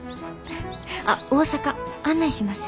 あっ大阪案内しますよ。